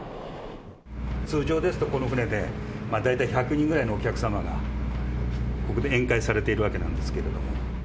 通常ですとこの船で、大体１００人ぐらいのお客様が、ここで宴会されているわけなんですけども。